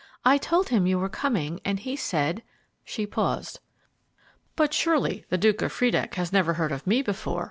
"I told him you were coming, and he said " She paused. "But surely the Duke of Friedeck has never heard of me before?"